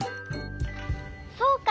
そうか！